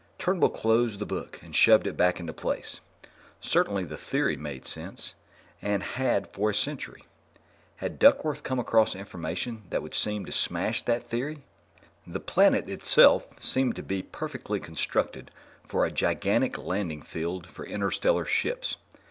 Turnbull closed the book and shoved it back into place. Certainly the theory made sense, and had for a century. Had Duckworth come across information that would seem to smash that theory? The planet itself seemed to be perfectly constructed for a gigantic landing field for interstellar ships.